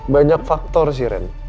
banyak faktor sih ren